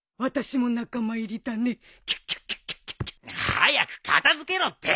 早く片付けろって！